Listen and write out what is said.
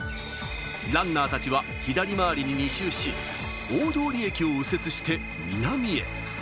ランナーたちは左回りに２周し、大通駅を右折して南へ。